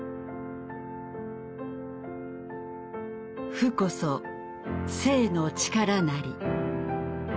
「負こそ正の力なり」。